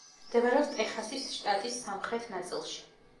მდებარეობს ტეხასის შტატის სამხრეთ ნაწილში.